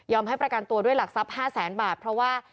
ให้ประกันตัวด้วยหลักทรัพย์๕แสนบาทเพราะว่า